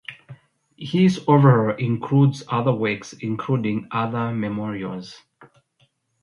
His oeuvre includes other works, including other memorials.